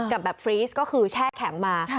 กับแบบฟรีสก็คือแช่แข็งมา